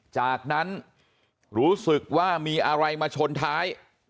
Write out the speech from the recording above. จากนั้นรู้สึกว่ามีอะไรมาชนท้าย